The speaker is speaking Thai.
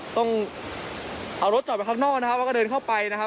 ต้องเอารถจอดไปข้างนอกนะครับแล้วก็เดินเข้าไปนะครับ